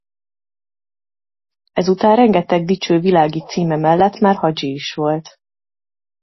Ezután rengeteg dicső világi címe mellett már hadzsi is volt.